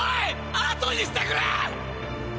あとにしてくれ！